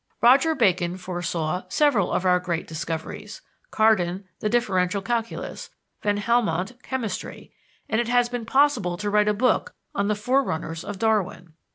Roger Bacon foresaw several of our great discoveries; Cardan, the differential calculus; Van Helmont, chemistry; and it has been possible to write a book on the forerunners of Darwin.